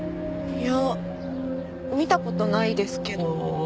いや見た事ないですけど。